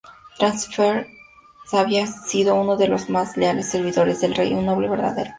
Tisafernes había sido uno de los más leales servidores del rey, un noble verdadero.